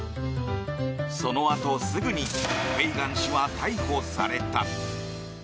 そのあとすぐにフェイガン氏は逮捕された。